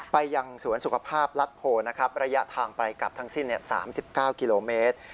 ไปยังสวนสุขภาพรัฐโพนะครับระยะทางไปกลับทั้งสิ้น๓๙กิโลเมตร